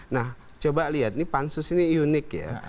nah coba lihat ini pansus ini unik ya